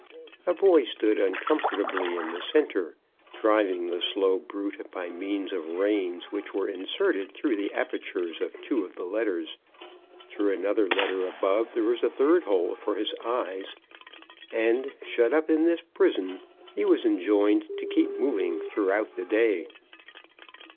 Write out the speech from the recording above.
A boy stood uncomfortably in the centre, driving the slow brute by means of reins which were inserted through the apertures of two of the letters; through another letter above there was a third hole for his eyes, and, shut up in this prison, he was enjoined to keep moving throughout the day.